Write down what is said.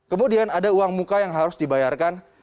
kemudian ada uang muka yang harus dibayarkan